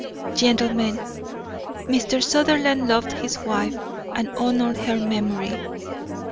Gentlemen, Mr. Sutherland loved his wife and honoured her memory.